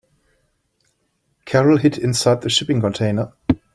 Carol hid inside the shipping container.